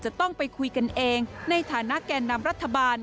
จะต้องไปคุยกันเองในฐานะแก่นำรัฐบาล